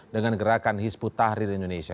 dengan gerakan hisbut tahrir indonesia